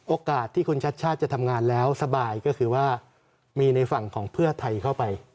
โอกาสที่คุณชัดชาติจะทำงานแล้วสบายก็คือว่ามีในฝั่งของเพื่อไทยเข้าไป